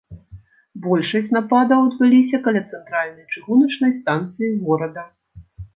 Большасць нападаў адбыліся каля цэнтральнай чыгуначнай станцыі горада.